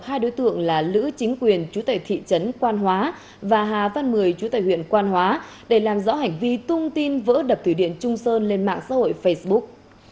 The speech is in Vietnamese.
hành triệu tập hai đối tượng là lữ chính quyền chú tài thị trấn quang hóa và hà văn mười chú tài huyện quang hóa để làm rõ hành vi tung tin vỡ đập thủy điện trung sơn lên mạng xã hội facebook